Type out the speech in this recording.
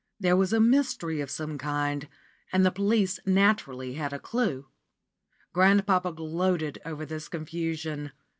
There was a mystery of some kind, and the police naturally had a clue. Grandpapa gloated over this confusion.